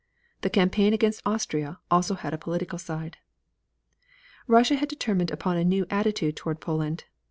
The campaign against Austria also had a political side. Russia had determined upon a new attitude toward Poland.